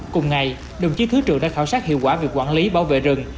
cùng ngày đồng chí thứ trưởng đã khảo sát hiệu quả việc quản lý bảo vệ rừng